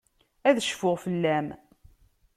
Ad cfuɣ fell-am.